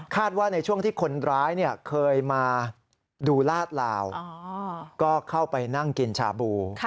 ว่าในช่วงที่คนร้ายเคยมาดูลาดลาวก็เข้าไปนั่งกินชาบู